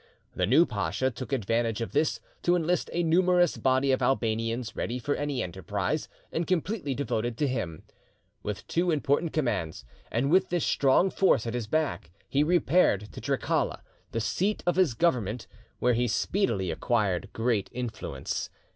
The new pacha took advantage of this to enlist a numerous body of Albanians ready for any enterprise, and completely devoted to him. With two important commands, and with this strong force at his back, he repaired to Trikala, the seat of his government, where he speedily acquired great influence.